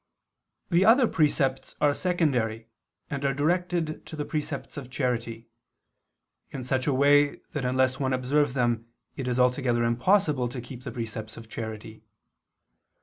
The other precepts are secondary and are directed to the precepts of charity; in such a way that unless one observe them it is altogether impossible to keep the precepts of charity.